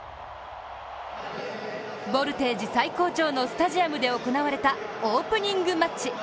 ボルテージ最高潮のスタジアムで行われたオープニングマッチ。